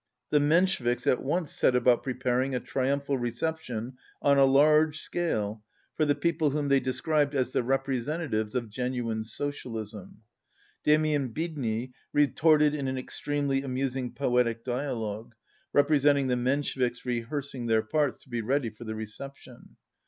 The Mensheviks at once set about 159 preparing a triumphal reception on a large scale for the people whom they described as the repre sentatives of genuine socialism. Demian Biedny retorted in an extremely amusing poetic dialogue, representing the Mensheviks rehearsing their parts to be ready for the reception.